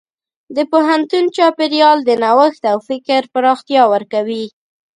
د پوهنتون چاپېریال د نوښت او فکر پراختیا ورکوي.